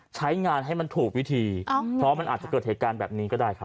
ใช้งานให้มันถูกวิธีเพราะมันอาจจะเกิดเหตุการณ์แบบนี้ก็ได้ครับ